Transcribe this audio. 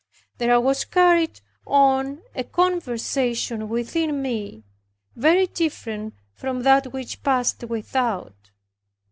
There was carried on a conversation within me, very different from that which passed without.